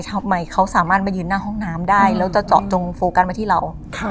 ทำไมเขาสามารถมายืนหน้าห้องน้ำได้แล้วจะเจาะจงโฟกัสมาที่เรา